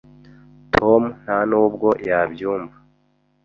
Tom ntanubwo yabyumva.